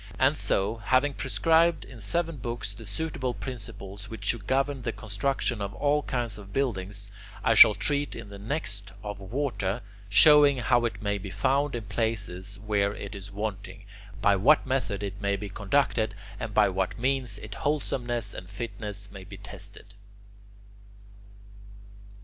And so, having prescribed in seven books the suitable principles which should govern the construction of all kinds of buildings, I shall treat in the next of water, showing how it may be found in places where it is wanting, by what method it may be conducted, and by what means its wholesomeness and fitness may be tested.